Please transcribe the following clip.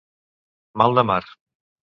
Mal de mar.